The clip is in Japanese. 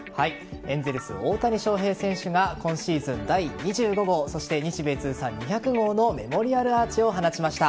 エンゼルス大谷翔平選手が今シーズン第２５号日米通算２００号のメモリアルアーチを放ちました。